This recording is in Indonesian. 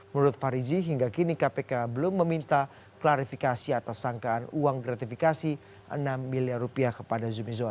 menurut farizi hingga kini kpk belum meminta klarifikasi atas sangkaan uang gratifikasi enam miliar rupiah kepada zumi zola